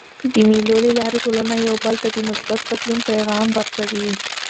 د مېلو له لاري ټولنه یو بل ته د مثبت بدلون پیغام ورکوي.